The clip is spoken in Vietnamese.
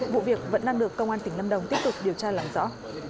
vụ việc vẫn đang được công an tỉnh lâm đồng tiếp tục điều tra làm rõ